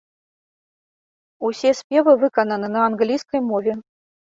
Усе спевы выкананы на англійскай мове.